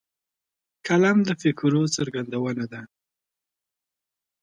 قلم د فکرو څرګندونه ده